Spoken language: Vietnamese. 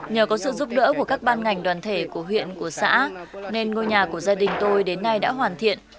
nhờ có sự giúp đỡ của các ban ngành đoàn thể của huyện của xã nên ngôi nhà của gia đình tôi đến nay đã hoàn thiện